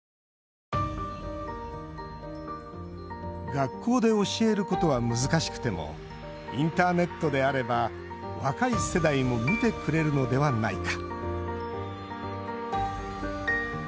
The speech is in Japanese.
学校で教えることは難しくてもインターネットであれば若い世代も見てくれるのではないか。